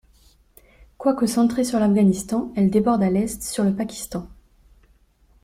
Quoique centrée sur l'Afghanistan, elle déborde, à l'est, sur le Pakistan.